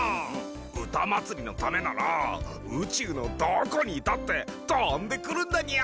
「うたまつり」のためならうちゅうのどこにいたってとんでくるんだニャ！